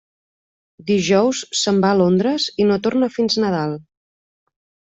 Dijous se'n va a Londres i no torna fins Nadal.